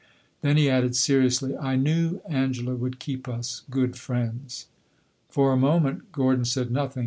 Then he added, seriously "I knew Angela would keep us good friends." For a moment Gordon said nothing.